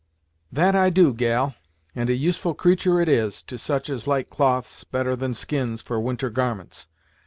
"That I do, gal, and a useful creatur' it is, to such as like cloths better than skins for winter garments.